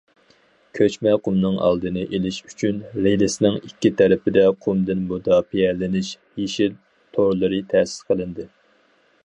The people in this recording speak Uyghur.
كۆچمە قۇمنىڭ ئالدىنى ئېلىش ئۈچۈن، رېلىسنىڭ ئىككى تەرىپىدە قۇمدىن مۇداپىئەلىنىش يېشىل تورلىرى تەسىس قىلىندى.